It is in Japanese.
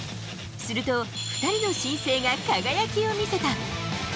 すると、２人の新星が輝きを見せた。